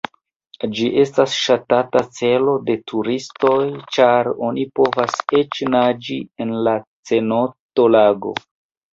Ĝi estas ŝatata celo de turistoj, ĉar oni povas eĉ naĝi en la cenoto-lago.